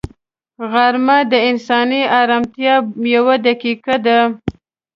غرمه د انساني ارامتیا یوه دقیقه ده